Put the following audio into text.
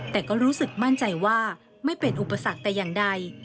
แต่ก็รู้สึกมั่นใจว่าไม่เป็นอุปสรรคแต่อย่างใด